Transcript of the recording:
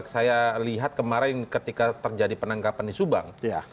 saya lihat kemarin ketika terjadi penangkapan di subang